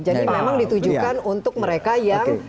jadi memang ditujukan untuk mereka yang sangat berpikir